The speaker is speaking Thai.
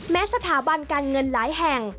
สถาบันการเงินหลายแห่ง